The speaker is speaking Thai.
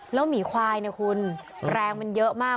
แล้วหมีควายเนี่ยคุณแรงมันเยอะมาก